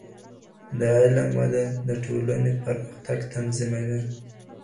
د علم وده د ټولني پرمختګ تضمینوي.